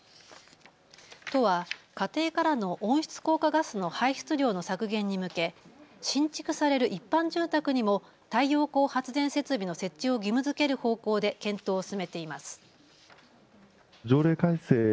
都は家庭からの温室効果ガスの排出量の削減に向け新築される一般住宅にも太陽光発電設備の設置を義務づける方向で検討を進めています。